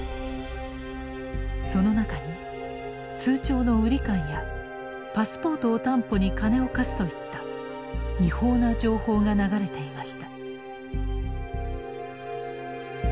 その中に通帳の売り買いやパスポートを担保に金を貸すといった違法な情報が流れていました。